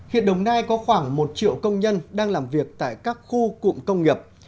hiện đồng nai có khoảng một triệu công nhân đang làm việc tại các khu cụm công nghiệp